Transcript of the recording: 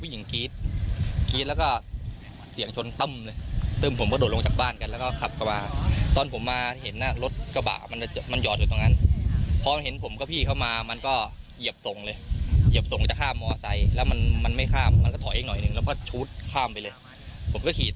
ให้เขาช่วยตามให้ทีผมก็เลยกลับมาดูเด็ก